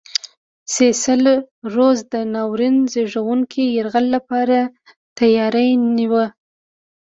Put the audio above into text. سیسل رودز د ناورین زېږوونکي یرغل لپاره تیاری نیوه.